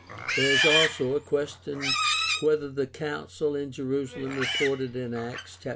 There is also a question whether the council in Jerusalem reported in Acts, chap.